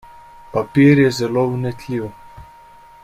Papir je zelo vnetljiv.